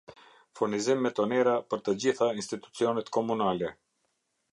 Furnizim me tonera për të gjitha institucionet komunale